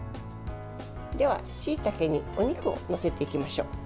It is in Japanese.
では、しいたけにお肉を載せていきましょう。